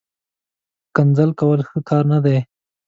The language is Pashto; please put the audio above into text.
ښکنځل کول، ښه کار نه دئ